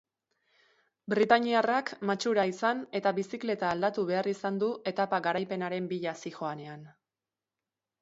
Britaniarrak matxura izan eta bizikleta aldatu behar izan du etapa garaipenaren bila zihoanean.